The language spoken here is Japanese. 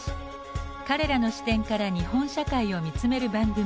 彼らの視点から日本社会を見つめる番組。